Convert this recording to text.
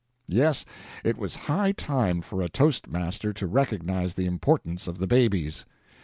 Yes, it was high time for a toast master to recog nize the importance of the babies.